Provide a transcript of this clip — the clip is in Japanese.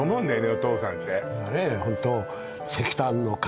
お父さんってねえ